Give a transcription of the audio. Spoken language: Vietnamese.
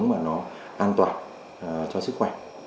và nó an toàn cho sức khỏe